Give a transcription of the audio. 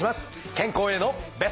健康へのベスト。